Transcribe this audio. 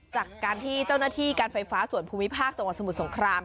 จากการที่เจ้าหน้าที่การไฟฟ้าส่วนภูมิภาคจังหวัดสมุทรสงคราม